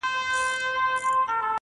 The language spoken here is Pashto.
o په خوله ﻻاله الاالله، په زړه غلا.